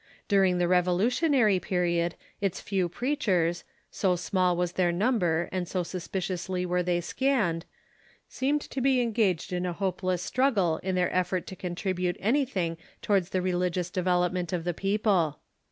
During the Revolutionary Period its few preachers, so small was their number and so suspi ciously were they scanned, seemed to be engaged in a hope 532 THK CHURCH IN THE UNITED STATES less struggle in their effort to contribute anything towards the religious development of the peojDle.